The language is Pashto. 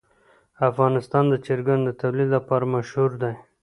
افغانستان د چرګانو د تولید لپاره مشهور دی.